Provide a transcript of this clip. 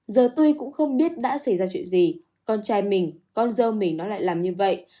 giờ tôi cũng không biết đã xảy ra chuyện gì con trai mình con dâu mình nó lại làm như vậy